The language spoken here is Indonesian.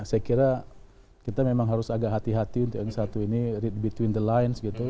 saya kira kita memang harus agak hati hati untuk yang satu ini read between the lines gitu